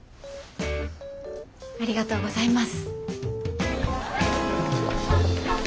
ありがとうございます。